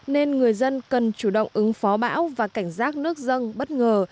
nên người dân cần chủ động ứng phó bão và cảnh giác nước dâng bất ngờ